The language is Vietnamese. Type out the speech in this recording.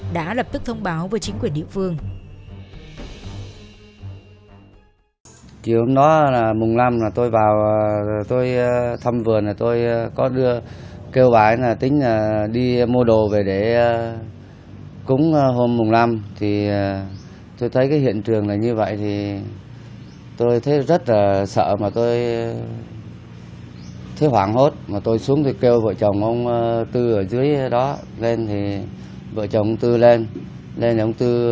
đã lập tức thông báo vừa trước ông lập đã đưa ra một thông tin về nạn nhân bị nhiều nhát dao đâm vào ngực trúng tim phổi gây mất máu nhiều và dẫn đến tử vong